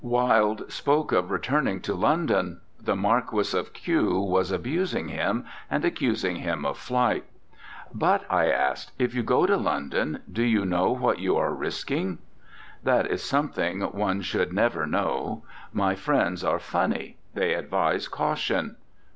Wilde spoke of returning to London; the Marquis of Q was abusing him, and accusing him of flight. "But," I asked, "if you go to London, do you know what you are risking?" "That is something one should never know. My friends are funny; they ad vise caution.